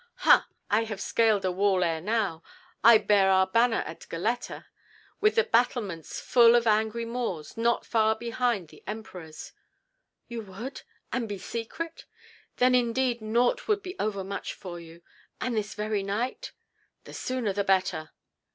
"Ha! I have scaled a wall ere now. I bare our banner at Goletta, with the battlements full of angry Moors, not far behind the Emperor's." "You would? And be secret? Then indeed nought would be overmuch for you. And this very night—" "The sooner the better."